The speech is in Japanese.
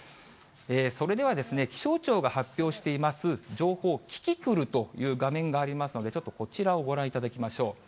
それでは、気象庁が発表しています情報、キキクルという画面がありますので、ちょっとこちらをご覧いただきましょう。